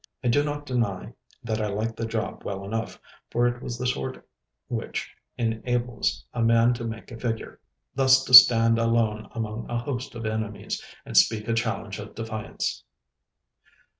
I do not deny that I liked the job well enough, for it was the sort which enables a man to make a figure—thus to stand alone among a host of enemies, and speak a challenge of defiance.